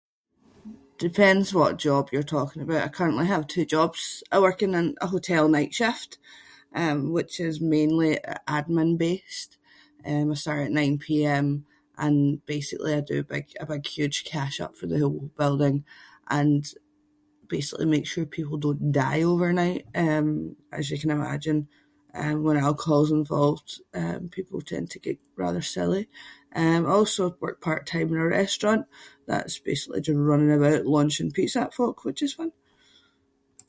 Depends what job you’re talking about. I currently have two jobs. I work in a n- a hotel night shift um which is mainly admin-based. Um I start at nine pm and basically I do big- a big huge cash up for the whole building and basically make sure people don’t die overnight. Um as you can imagine uh when alcohol’s involved um people tend to get rather silly. Um I also work part-time in a restaurant. That’s basically just running about launching pizza at folk which is fun.